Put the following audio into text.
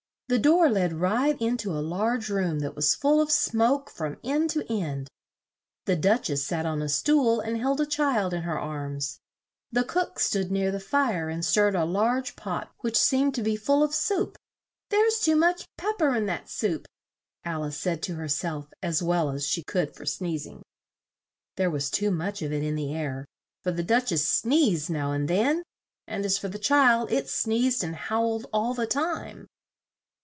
The door led right in to a large room that was full of smoke from end to end: the Duch ess sat on a stool and held a child in her arms; the cook stood near the fire and stirred a large pot which seemed to be full of soup. "There's too much pep per in that soup!" Al ice said to her self as well as she could for sneez ing. There was too much of it in the air, for the Duch ess sneezed now and then; and as for the child, it sneezed and howled all the time.